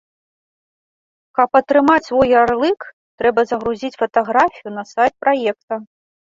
Каб атрымаць свой ярлык, трэба загрузіць фатаграфію на сайт праекта.